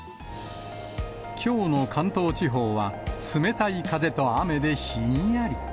きょうの関東地方は、冷たい風と雨でひんやり。